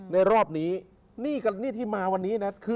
ในรอบนี้นี่ที่มาวันนี้นะ